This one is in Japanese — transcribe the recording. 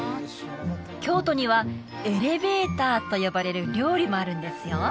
京都には「エレベーター」と呼ばれる料理もあるんですよ